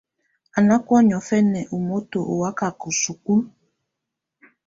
Á ná kɔ̀á niɔ̀fɛna ú moto ù wakaka isukulu.